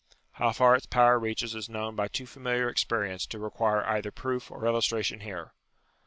How far its power reaches is known by too familiar experience to require either proof or illustration here.